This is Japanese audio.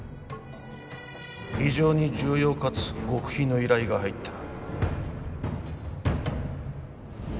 非常に重要かつ極秘の依頼が入った。